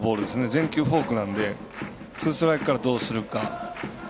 全球フォークなのでツーストライクからどうするか。